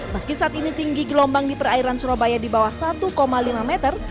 meski saat ini tinggi gelombang di perairan surabaya di bawah satu lima meter